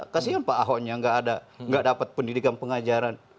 kasihkan pak ahoknya gak ada gak dapat pendidikan pengajaran